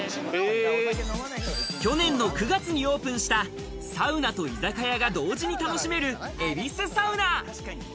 去年の９月にオープンしたサウナと居酒屋が当時に楽しめる恵比寿サウナ。